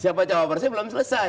siapa jawabannya belum selesai